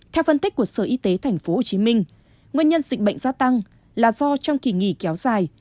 theo phân tích của sở y tế tp hcm nguyên nhân dịch bệnh gia tăng là do trong kỳ nghỉ kéo dài